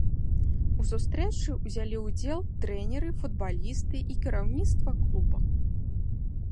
У сустрэчы ўзялі ўдзел трэнеры, футбалісты і кіраўніцтва клуба.